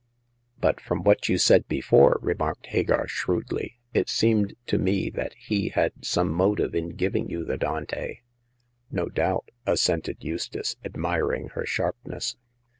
'*" But from what you said before," remarked Hagar, shrewdly, " it seemed to me that he had some motive in giving you the Dante." No doubt," assented Eustace, admiring her sharpness.